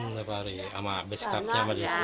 safari sama beskapnya sama beskapnya